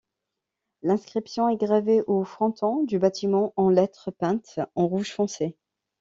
L'inscription est gravée au fronton du bâtiment, en lettres peintes en rouge foncé.